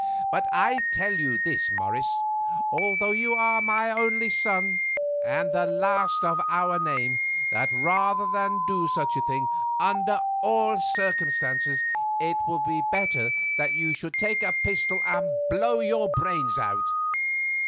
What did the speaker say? But I tell you this, Morris, although you are my only son, and the last of our name, that rather than do such a thing, under all the circumstances, it would be better that you should take a pistol and blow your brains out."